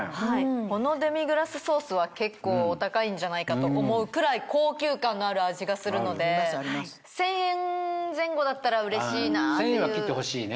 このデミグラスソースは結構お高いんじゃないかと思うくらい高級感のある味がするので１０００円前後だったらうれしいなっていう。